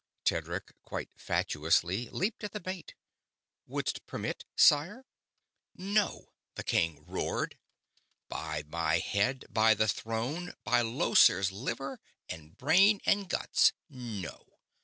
Tedric, quite fatuously, leaped at the bait. "Wouldst permit, sire?" "No!" the king roared. "By my head, by the Throne, by Llosir's liver and heart and brain and guts NO!